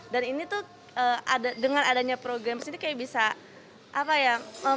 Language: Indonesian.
dan ini tuh dengan adanya pro gamer city kayak bisa